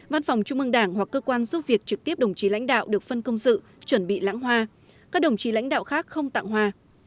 văn phòng trung ương đảng hoặc cơ quan giúp việc trực tiếp đồng chí lãnh đạo được phân công dự chuẩn bị lãng hoa các đồng chí lãnh đạo khác không tặng hoa